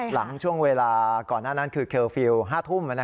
หลังช่วงเวลาก่อนหน้านั้นคือเคอร์ฟิลล์๕ทุ่ม